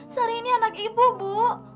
sorry ini anak ibu bu